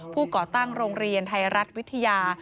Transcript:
ก่อตั้งโรงเรียนไทยรัฐวิทยา